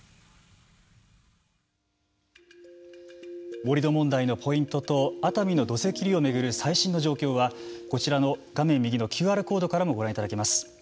盛り土問題のポイントと熱海の土石流を巡る最新の状況はこちらの画面右のＱＲコードからもご覧いただけます。